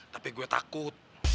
tapi gue takut